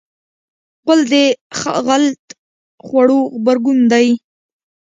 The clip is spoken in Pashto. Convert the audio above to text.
غول د غلط خوړو غبرګون دی.